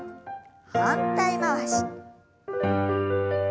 反対回し。